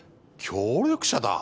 協力者だぁ？